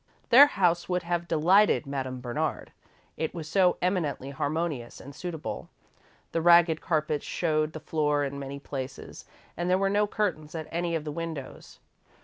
Their house would have delighted Madame Bernard it was so eminently harmonious and suitable. The ragged carpets showed the floor in many places, and there were no curtains at any of the windows.